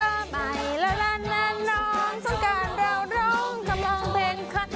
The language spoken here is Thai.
ไปละละละน้องสงการเราร้องกำลังเพลงค่ะ